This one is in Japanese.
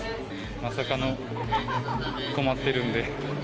まさかの止まってるんで。